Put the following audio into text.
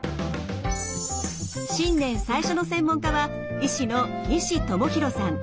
新年最初の専門家は医師の西智弘さん。